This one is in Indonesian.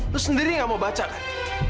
lu sendiri yang nggak mau baca kan